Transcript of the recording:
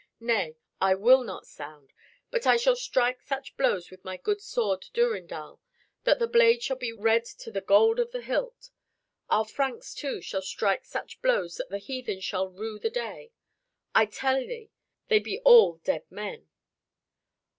Nay, I will not sound, but I shall strike such blows with my good sword Durindal that the blade shall be red to the gold of the hilt. Our Franks, too, shall strike such blows that the heathen shall rue the day. I tell thee, they be all dead men."